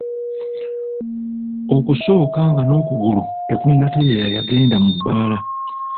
Okusooka nga n'okugulu tekunatereera yagenda mu bbaala.